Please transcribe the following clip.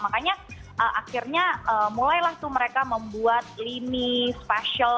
makanya akhirnya mulailah tuh mereka membuat lini special